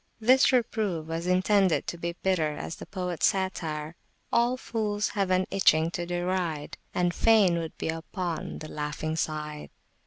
This reproof was intended to be bitter as the poets satire, All fools have still an itching to deride, And fain would be upon the laughing side.